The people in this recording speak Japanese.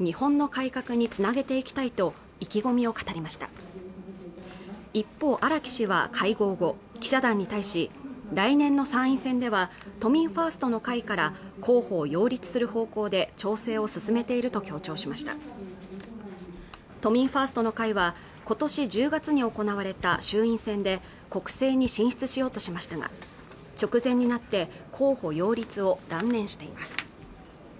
日本の改革につなげていきたいと意気込みを語りました一方荒木氏は会合後記者団に対し来年の参院選では都民ファーストの会から候補を擁立する方向で調整を進めていると強調しました都民ファーストの会はことし１０月に行われた衆院選で国政に進出しようとしましたが直前になって候補擁立を断念しています